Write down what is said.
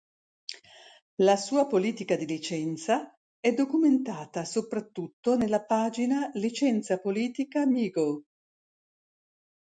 La sua politica di licenza è documentata soprattutto nella pagina "Licenza politica Meego".